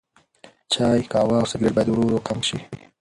چای، قهوه او سګرټ باید ورو ورو کم شي.